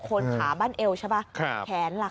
คนขาบ้านเอวใช่ป่ะแขนล่ะค่ะ